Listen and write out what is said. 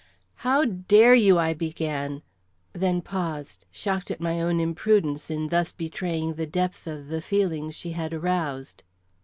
"How dare you " I began, then paused, shocked at my own imprudence in thus betraying the depth of the feelings she had aroused.